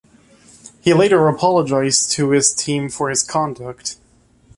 He later apologized to his team for his conduct.